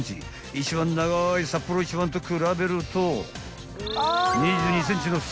［一番長いサッポロ一番と比べると２２ｃｍの差！